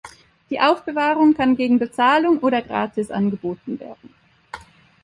Die Aufbewahrung kann gegen Bezahlung oder gratis angeboten werden.